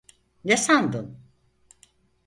Ne sandın?